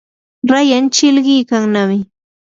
rayan chilqikannami.